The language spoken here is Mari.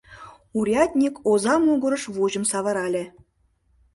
Урядник оза могырыш вуйжым савырале.